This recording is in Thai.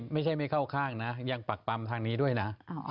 ไม่ใช่ไม่เข้าข้างนะยังปักปำทางนี้ด้วยนะ